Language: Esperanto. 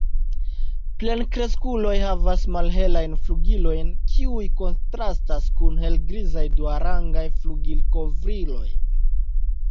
Plenkreskuloj havas malhelajn flugilojn kiuj kontrastas kun helgrizaj duarangaj flugilkovriloj.